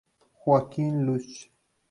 Joaquín Lluch.